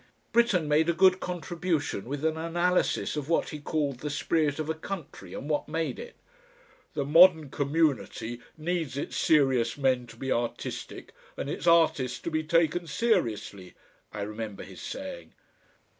Britten made a good contribution with an analysis of what he called the spirit of a country and what made it. "The modern community needs its serious men to be artistic and its artists to be taken seriously," I remember his saying.